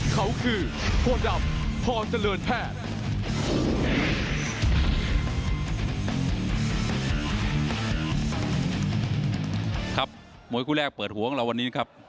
ครับมวยคู่แรกเปิดหัวของเราวันนี้นะครับ